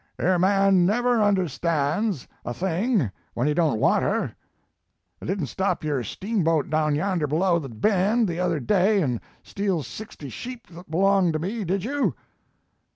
Er man never understands a thing when he don t want er. Didn t stop your steamboat down yander below the bend the other day an steal sixty sheep that belonged to me, did you?"